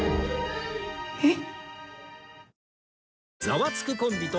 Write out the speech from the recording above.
えっ？